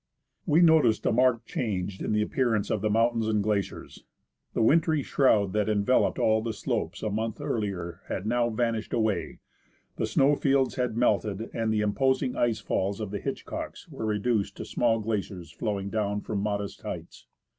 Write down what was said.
We noticed a marked change in the appearance of the moun tains and glaciers. The wintry shroud that enveloped all the slopes CROSSING AGASSIZ GLACIER ON THE WAY BACK. a month earlier had now vanished away, the snow fields had melted, and the imposing ice falls of the Hitchcocks were reduced to small glaciers flowing down from modest heights.